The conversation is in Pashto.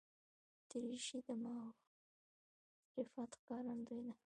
دریشي د معرفت ښکارندوی ده.